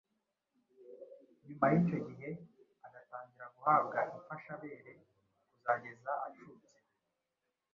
nyuma y’icyo gihe agatangira guhabwa imfashabere kuzageza acutse.